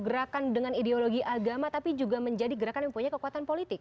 gerakan dengan ideologi agama tapi juga menjadi gerakan yang punya kekuatan politik